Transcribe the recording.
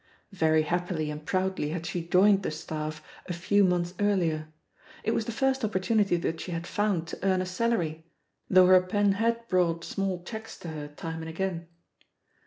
Very happily and proudly had she joined the staff a few months earlier; it was the first opportunity that she had found to earn a salary, though her pen had it 162 THE POSITION OF PEGGY HARPER brought small cheques to her time and again.